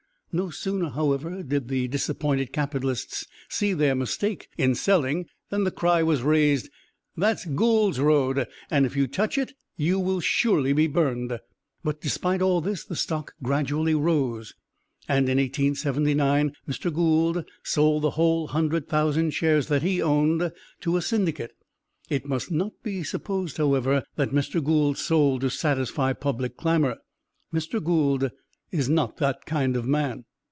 No sooner, however, did the disappointed capitalists see their mistake in selling than the cry was raised: "That is Gould's road and if you touch it you will surely be burnt." But despite all this the stock gradually rose, and in 1879 Mr. Gould sold the whole hundred thousand shares that he owned to a syndicate. It must not be supposed, however, that Mr. Gould sold to satisfy public clamor Mr. Gould is not that kind of a man.